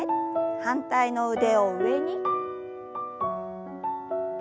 反対の腕を上に。